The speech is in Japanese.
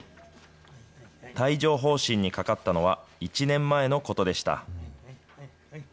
帯状ほう疹にかかったのは１年前のことでした。